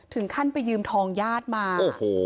ถึงขั้นไปยืมทองญาติมา